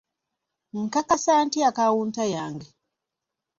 Nkakasa ntya akawunta yange?